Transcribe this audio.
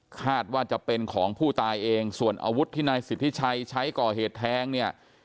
คาดว่าจะเป็นของผู้ตายเองส่วนอาวุธที่นายสิทธิชัยใช้ก่อเหตุแทงเนี่ย